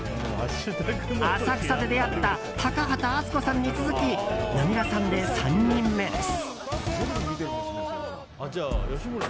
浅草で出会った高畑淳子さんに続きなぎらさんで３人目です。